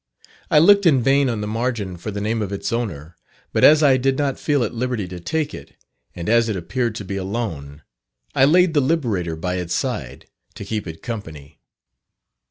I looked in vain on the margin for the name of its owner, but as I did not feel at liberty to take it, and as it appeared to be alone, I laid the Liberator by its side to keep it company.